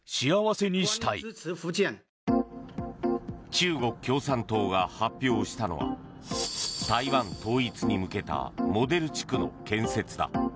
中国共産党が発表したのは台湾統一に向けたモデル地区の建設だ。